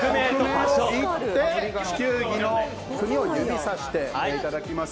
地球儀の国を指さしていただきます。